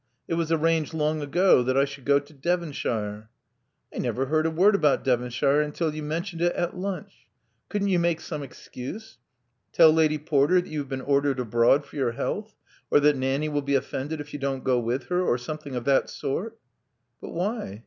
It was arranged long ago that I should go to Devonshire. "* 'I never heard a word about Devonshire until you mentioned it at lunch. Couldn't you make some excuse — tell Lady Porter that you have been ordered abroad for your health, or that Nanny will be offended if you don't go with her, or something of that sort?" But why?